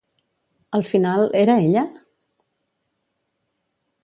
Al final, era ella?